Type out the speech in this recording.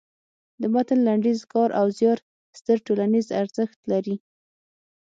د متن لنډیز کار او زیار ستر ټولنیز ارزښت لري.